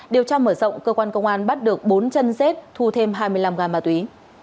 điều tra mở rộng cơ quan công an bắt được bốn chân rết thu thêm hai mươi năm gam ma túy